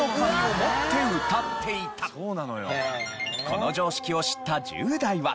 この常識を知った１０代は。